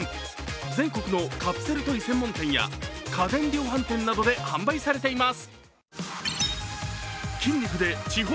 全国のカプセルトイ専門店や家電量販店などで販売されています。